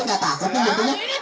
ini gak takut ya